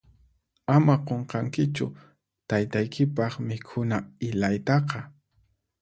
Ama qunqankichu taytaykipaq mikhuna ilaytaqa.